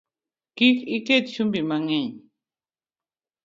Kik iket chumbi mang’eny